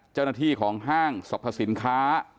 เจ้าหน้าที่ของห้างสรรพสินค้า